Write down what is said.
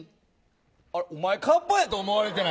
あれ、お前、河童やと思われてない？